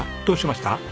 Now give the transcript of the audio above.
どうしました？